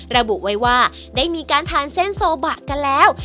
ระบุไว้ว่าได้มีการทานเส้นโซบะกันแล้ว